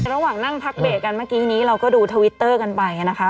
ระหว่างนั่งพักเบรกกันเมื่อกี้นี้เราก็ดูทวิตเตอร์กันไปนะคะ